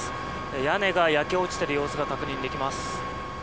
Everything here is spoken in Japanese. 屋根が焼け落ちている様子が確認できます。